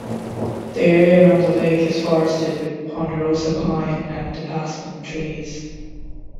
The area around the lake is forested with ponderosa pine and aspen trees.